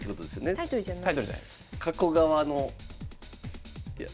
タイトルじゃないです。